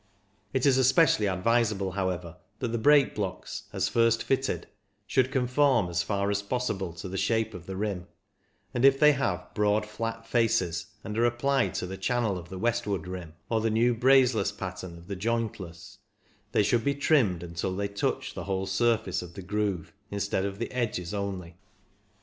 It is especially advisable, however, that the brake blocks, as first fitted, should conform as far as possible to the shape of the rim, and if they have broad flat faces, and are applied to the channel of the Westwood rim or the new " Brazeless " pattern of the Joint less, they should be trimmed until they touch the whole surface of the groove, instead of the edges only.